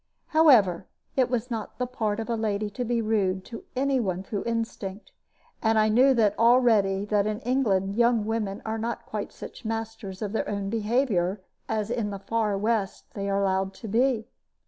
However, it was not the part of a lady to be rude to any one through instinct; and I knew already that in England young women are not quite such masters of their own behavior as in the far West they are allowed to be.